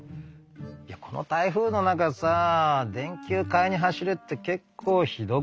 いやこの台風の中さ電球買いに走れって結構ひどくない？